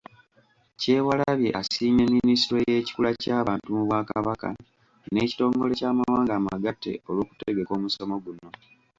Kyewalabye asiimye Minisitule y'Ekikula ky'abantu mu Bwakabaka n'ekitongole ky'amawanga amagatte olw'okutegeka omusomo guno.